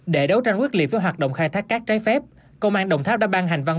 để đấu tranh quyết liệt với hoạt động khai thác cát trái phép công an đồng tháp đã ban hành văn